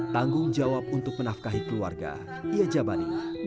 tidak pernah diawakan segala uang earrings